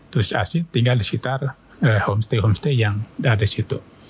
terus asik tinggal di sekitar homestay homestay yang ada di situ